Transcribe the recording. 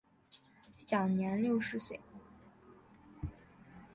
享年六十岁。